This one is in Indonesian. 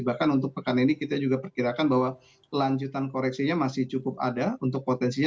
bahkan untuk pekan ini kita juga perkirakan bahwa lanjutan koreksinya masih cukup ada untuk potensinya